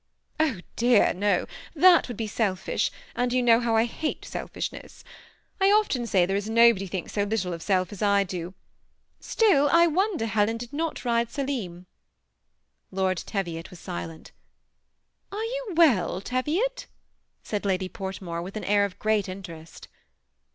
" Oh dear, no, that would be selfish ; and you know how I hate selfishness. I often say there is nobody thinks so little of self as I do. Still I wonder Helen did not ride Selim." . Lord Teviot was silent. 120 THE SEMI ATTACHED COUPLE. " Are you well, Teviot ?" said Lady Portmore, with an air of great intei^est.